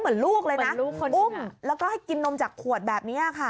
เหมือนมันหลุกเลยนะกินนมจากขวดแบบนี้ค่ะ